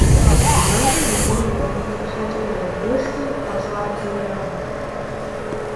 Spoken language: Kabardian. Занщӏэу зыхуейм хуэдиз ӏыхьэкӏэ ягуэшри пӏащӏабзэу яху.